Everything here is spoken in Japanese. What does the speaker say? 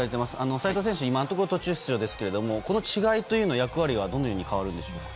齋藤選手、今のところ途中出場ですがこの違いというのは役割はどのように変わるんでしょうか。